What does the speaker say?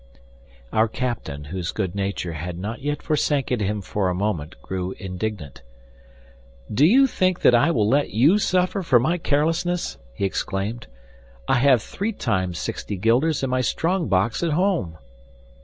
Our captain, whose good nature had not yet forsaken him for a moment, grew indignant. "Do you think that I will let you suffer for my carelessness?" he exclaimed. "I have three times sixty guilders in my strong box at home!"